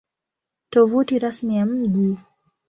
Tovuti Rasmi ya Mji